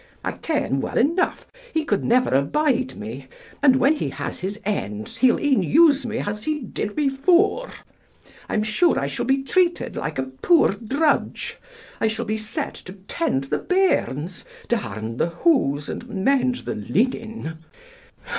I ken well enough, he could never abide me, and when he has his ends he'll e'en use me as he did before. I'm sure I shall be treated like a poor drudge I shall be set to tend the bairns, darn the hose, and mend the linen.